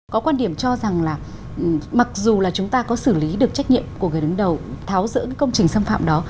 có quan điểm cho rằng là mặc dù là chúng ta có xử lý được trách nhiệm của người đứng đầu tháo rỡ công trình xâm phạm đó